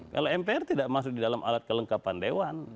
kalau mpr tidak masuk di dalam alat kelengkapan dewan